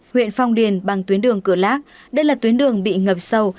huyện phong điền bằng tuyến đường cửa lác đây là tuyến đường bị ngập sâu